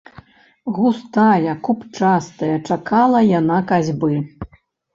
Густая, купчастая, чакала яна касьбы.